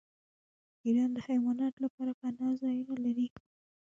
ایران د حیواناتو لپاره پناه ځایونه لري.